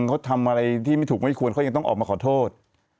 เขาทำอะไรที่ไม่ถูกไม่ควรเขายังต้องออกมาขอโทษ